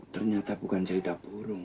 ternyata bukan cerita burung